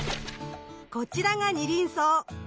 こちらがニリンソウ。